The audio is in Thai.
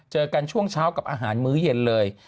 เจอกันช่วงเช้ากับอาหารมื้อเย็นเลย